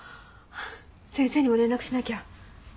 先生にも連絡しなきゃ。